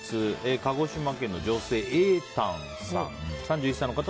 鹿児島県の女性、３１歳の方。